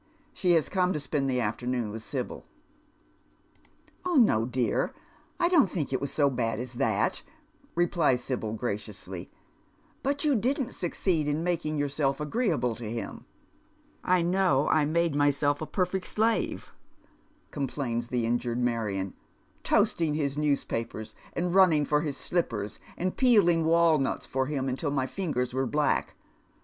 She has come to spend the afternoon with Sibyl. * No, dear, I don't think it was so bad as that," replies Sibyl, graciously ;" but you didn't succeed in making yourself agreeable to him." " I know I made myself a perfect slave," complains the injured Marion ;" toasting his newspapers, and running for his slippers, and peeling wahiuts for him till my fingers were black.